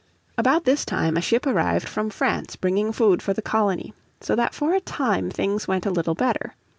About this time a ship arrived from France bringing food for the colony, so that for a time things went a little better.